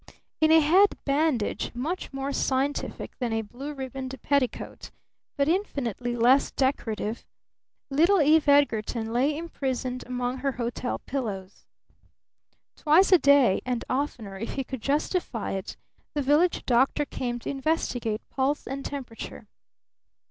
In a head bandage much more scientific than a blue ribboned petticoat, but infinitely less decorative, little Eve Edgarton lay imprisoned among her hotel pillows. Twice a day, and oftener if he could justify it, the village doctor came to investigate pulse and temperature.